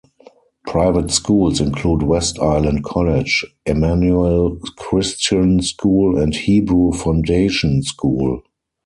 Private schools include West Island College, Emmanuel Christian School, and Hebrew Foundation School.